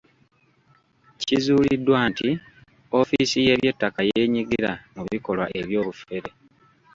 Kizuuliddwa nti ofiisi y’eby'ettaka yeenyigira mu bikolwa eby'obufere.